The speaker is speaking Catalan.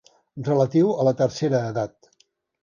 Relatiu a la tercera edat.